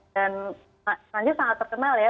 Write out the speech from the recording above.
dan prancis sangat terkenal ya